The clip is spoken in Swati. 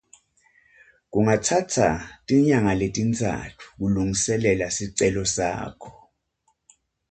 Kungatsatsa tinyanga letintsatfu kulungiselela sicelo sakho.